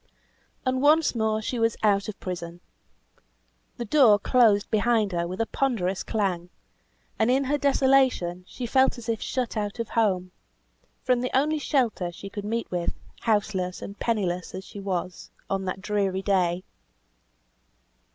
And once more she was out of prison. The door closed behind her with a ponderous clang, and in her desolation she felt as if shut out of home from the only shelter she could meet with, houseless and pennyless as she was, on that dreary day.